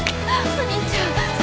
お兄ちゃん。